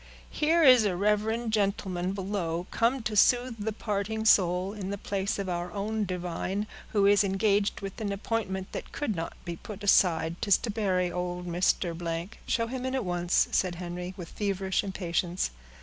"Here is a reverend gentleman below, come to soothe the parting soul, in the place of our own divine, who is engaged with an appointment that could not be put aside; 'tis to bury old Mr.——" "Show him in at once," said Henry, with feverish impatience.